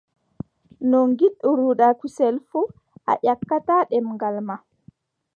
No ngiɗruɗaa kusel fuu, a yakkataa ɗemngal maa.